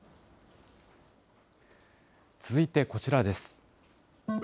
続いてこちらです。